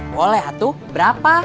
boleh hatu berapa